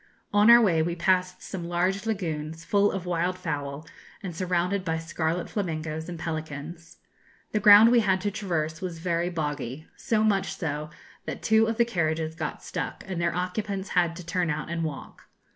On our way we passed some large lagunes, full of wild fowl, and surrounded by scarlet flamingoes and pelicans. The ground we had to traverse was very boggy; so much so, that two of the carriages got stuck, and their occupants had to turn out and walk.